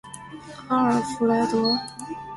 阿尔弗莱德？